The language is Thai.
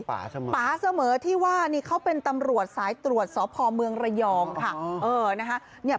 ป๋าเสมอยู่ที่เขาเป็นตำรวจสายตรวจสพรหรยองค่ะ